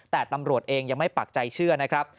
แต่ตำรวจเองยังไม่ปักใจเชื่อนะครับ